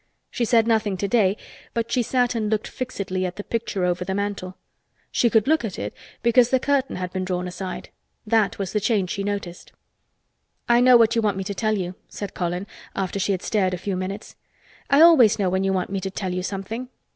She said nothing today but she sat and looked fixedly at the picture over the mantel. She could look at it because the curtain had been drawn aside. That was the change she noticed. "I know what you want me to tell you," said Colin, after she had stared a few minutes. "I always know when you want me to tell you something.